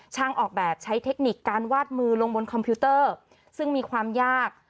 ออกแบบใช้เทคนิคการวาดมือลงบนคอมพิวเตอร์ซึ่งมีความยาก